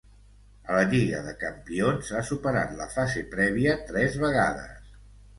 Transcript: A la Lliga de Campions ha superat la fase prèvia tres vegades.